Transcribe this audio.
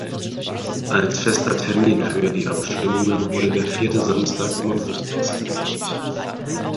Als fester Termin für die Abstimmungen wurde der vierte Samstag im August festgelegt.